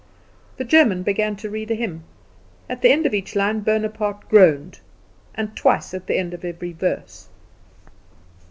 The German began to read a hymn. At the end of each line Bonaparte groaned, and twice at the end of every verse.